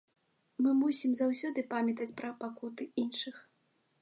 Мы мусім заўсёды памятаць пра пакуты іншых.